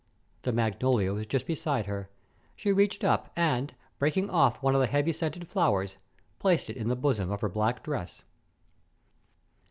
The magnolia was just beside her. She reached up and, breaking off one of the heavy scented flowers, placed it in the bosom of her black dress.